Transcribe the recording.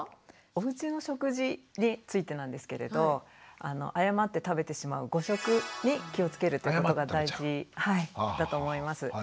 おうちの食事についてなんですけれど誤って食べてしまう誤食に気をつけるっていうことが大事だと思います。